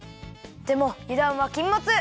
でもゆだんはきんもつ。